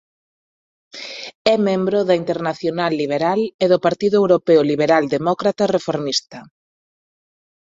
É membro da Internacional Liberal e do Partido Europeo Liberal Demócrata Reformista.